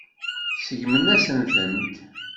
Seggmen-asen-tent.